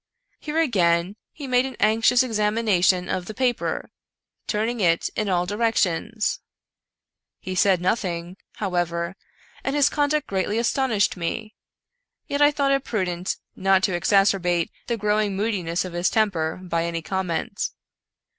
Here again he made an anxious examination of the paper, turn ing it in all directions. He said nothing, however, and his conduct greatly astonished me ; yet I thought it prudent not to exacerbate the growing moodiness of his temper by any comment.